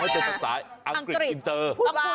เขาจะเป็นศาลิกอันกรีดอินเตอร์